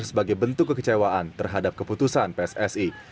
sebagai bentuk kekecewaan terhadap keputusan pssi